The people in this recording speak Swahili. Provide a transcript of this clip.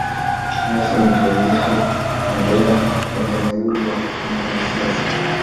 Nelson Rolihlahla Mandela mpigania uhuru na mwanasiasa